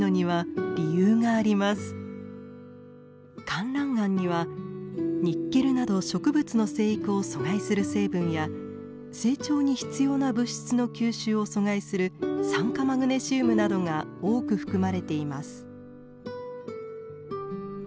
かんらん岩にはニッケルなど植物の生育を阻害する成分や成長に必要な物質の吸収を阻害する酸化マグネシウムなどが多く含まれています。